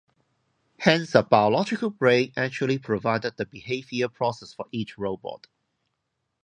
Hence a biological brain actually provided the behaviour process for each robot.